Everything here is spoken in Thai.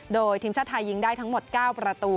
โดยทีมชาติไทยยิงได้ทั้งหมด๙ประตู